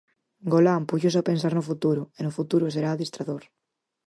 Golán púxose a pensar no futuro, e no futuro será adestrador.